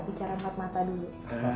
bicara empat mata dulu